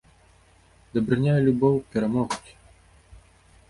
Дабрыня і любоў перамогуць!